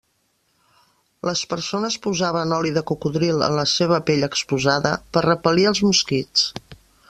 Les persones posaven oli de cocodril en la seva pell exposada per repel·lir els mosquits.